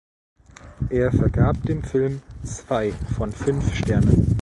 Er vergab dem Film zwei von fünf Sternen.